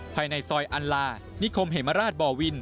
ภายในซอยอัลลานิคมเหมราชบ่อวิน